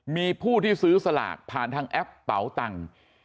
มีผู้ที่ซื้อสลากผ่านทางแอปเป๋าตังค์